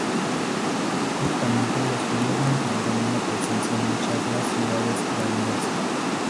Históricamente, los judíos mantuvieron una presencia en muchas más ciudades iraníes.